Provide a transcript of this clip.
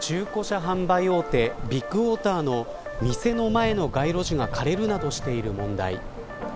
中古車販売大手ビッグモーターの店の前の街路樹が枯れるなどしている問題。